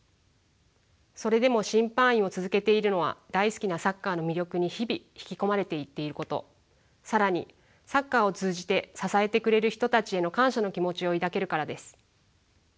それでも審判員を続けているのは大好きなサッカーの魅力に日々引き込まれていっていること更にサッカーを通じて支えてくれる人たちへの感謝の気持ちを抱けるからです。